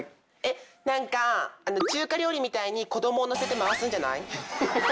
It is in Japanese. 何か中華料理みたいに子どもを乗せて回すんじゃない？